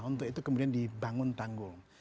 untuk itu kemudian dibangun tanggul